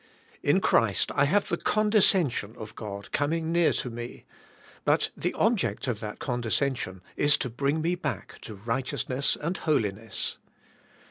In Christ I have the condescension of God coming near to me, but the object of that condescension is to bring me back to riofhteousness and holiness.